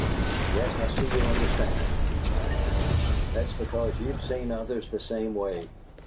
"Yes, I see you understand," he cried, bitterly. "That's because you've seen others the same way.